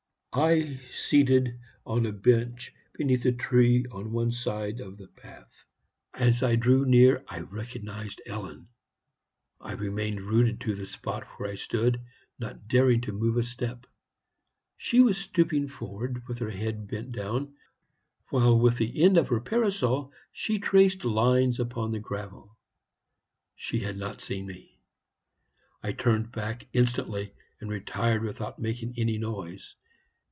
I seated on a bench beneath a tree on one side of the path. As I drew near I recognized Ellen. I remained rooted to the spot where I stood, not daring to move a step. She was stooping forward with her head bent down, while with the end of her parasol she traced lines upon the gravel. She had not seen me. I turned back instantly, and retired without making any noise.